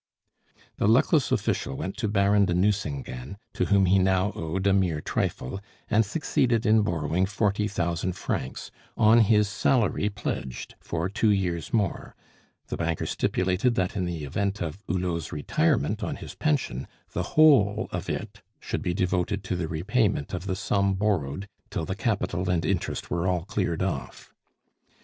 The luckless official went to Baron de Nucingen, to whom he now owed a mere trifle, and succeeded in borrowing forty thousand francs, on his salary pledged for two years more; the banker stipulated that in the event of Hulot's retirement on his pension, the whole of it should be devoted to the repayment of the sum borrowed till the capital and interest were all cleared off.